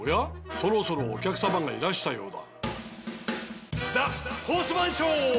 そろそろお客さまがいらしたようだ。